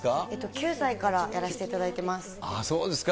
９歳からやらせていただいてそうですか。